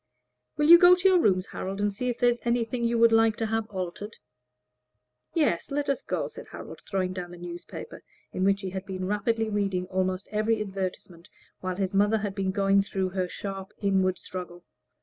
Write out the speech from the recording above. "Will you go to your rooms, Harold, and see if there is anything you would like to have altered?" "Yes, let us go," said Harold, throwing down the newspaper, in which he had been rapidly reading almost every advertisement while his mother had been going through her sharp inward struggle.